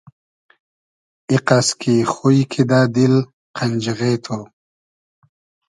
ایقئس کی خوی کیدۂ دیل قئنخیغې تو